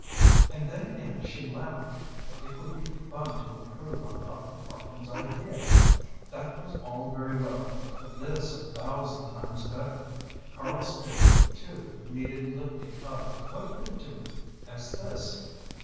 And then again she laughed. It would be fun to improve on Dr. Parkman's idea. That was all very well but this a thousand times better. Karl's spirit too needed lifting up; what could do it as this?